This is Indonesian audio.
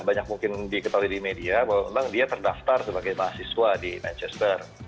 banyak mungkin diketahui di media bahwa memang dia terdaftar sebagai mahasiswa di manchester